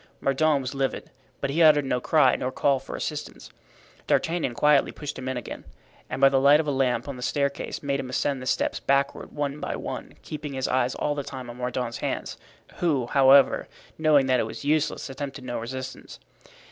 Mordaunt was livid, but he uttered no cry nor called for assistance. D'Artagnan quietly pushed him in again, and by the light of a lamp on the staircase made him ascend the steps backward one by one, keeping his eyes all the time on Mordaunt's hands, who, however, knowing that it was useless, attempted no resistance.